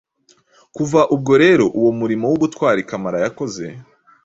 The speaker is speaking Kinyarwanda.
Kuva ubwo rero uwo murimo w’ubutwari Kamara yakoze